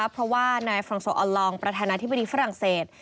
เพราะว่านายฟรังโซออนลองประธานาธิบดีฝรั่งเศส